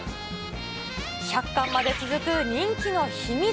１００巻まで続く人気の秘密。